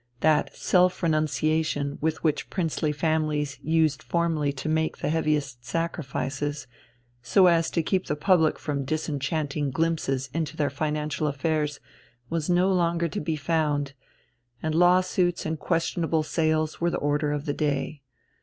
That self renunciation with which princely families used formerly to make the heaviest sacrifices, so as to keep the public from disenchanting glimpses into their financial affairs, was no longer to be found, and law suits and questionable sales were the order of the day.